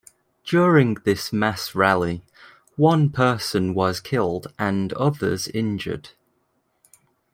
During this mass rally, one person was killed and others injured.